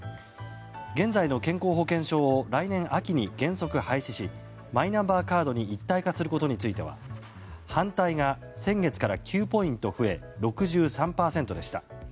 現在の健康保険証を来年秋に原則廃止しマイナンバーカードに一体化することについては反対が先月から９ポイント増え６３％でした。